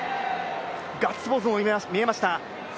ガッツポーズも見えました。